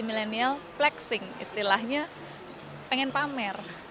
milenial flexing istilahnya pengen pamer